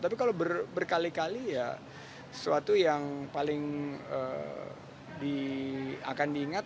tapi kalau berkali kali ya sesuatu yang paling akan diingat